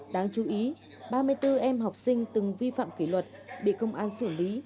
đáng chú ý ba mươi bốn em học sinh từng vi phạm kỷ luật bị công an xử lý